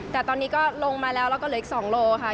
แต่ตอนนี้ก็ลงมาแล้วแล้วก็เหลืออีก๒โลค่ะ